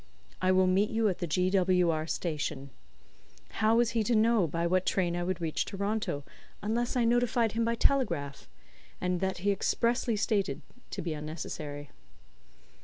"I will meet you at the G. W. R. station." How was he to know by what train I would reach Toronto, unless I notified him by telegraph? And that he expressly stated to be unnecessary.